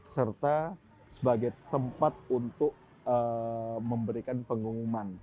serta sebagai tempat untuk memberikan pengumuman